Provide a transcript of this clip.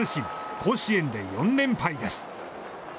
甲子園で４連敗です。